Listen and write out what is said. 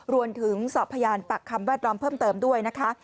รวมถึงสอบพยานปากคำแวดล้อมเพิ่มเติมด้วยนะคะ